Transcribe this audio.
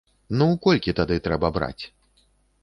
Ну, колькі тады трэба браць?